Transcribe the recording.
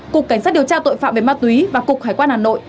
cục cảnh sát điều tra tội phạm về ma túy và cục hải quan hà nội